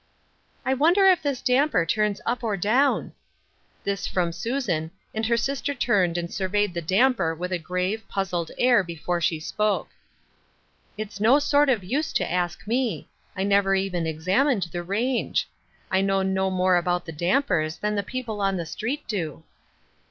"I wonder if this damper turns up or down?" This from Susan, and her sister turned and surveyed the damper with a grave, puzzled air before she spoke. " It is no sort of use to ask me. I never even examined the range. I know no more about the dampers than the people on the street do."